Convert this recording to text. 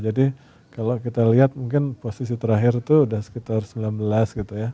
jadi kalau kita lihat mungkin posisi terakhir itu udah sekitar sembilan belas gitu ya